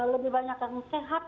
lebih banyak yang sehat